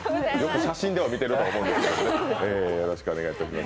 写真では見てると思うんですけど、よろしくお願いします。